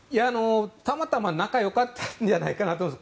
たまたま仲がよかったんじゃないかなと思います。